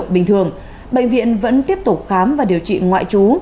bệnh viện vẫn tiếp tục khám và điều trị ngoại chú